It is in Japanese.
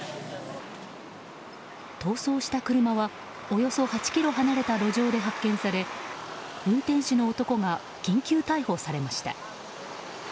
逃走した車はおよそ８ｋｍ離れた路上で発見され運転手の男が緊急逮捕されました。